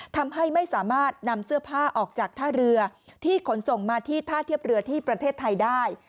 ทำให้ไม่สามารถนำเสื้อผ้าออกจากท่าเรือที่ขนส่งมาที่ท่าเทียบเรือที่ประเทศไทยได้